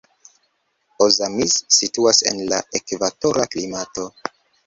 Ozamiz situas en la ekvatora klimato.